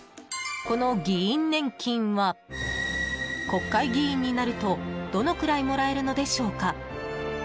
国会議員になるとどのくらいもらえるのでしょうか。